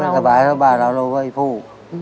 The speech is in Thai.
มันสบายเท่าไหร่เราเราก็ไอ้ผู้